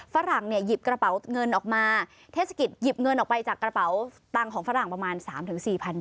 ฝรั่งเนี่ยหยิบกระเป๋าเงินออกมาเทศกิจหยิบเงินออกไปจากกระเป๋าตังค์ของฝรั่งประมาณ๓๔๐๐บาท